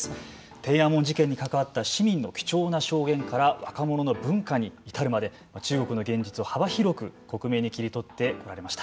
天安門事件に関わった市民の貴重な証言から若者の文化に至るまで中国の現実を幅広く克明に切り取ってこられました。